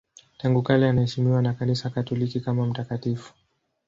Tangu kale anaheshimiwa na Kanisa Katoliki kama mtakatifu.